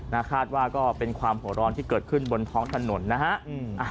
คาดว่าก็เป็นความหัวร้อนที่เกิดขึ้นบนท้องถนนนะฮะ